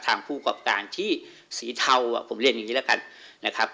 ผู้กรอบการที่สีเทาผมเรียนอย่างนี้แล้วกันนะครับ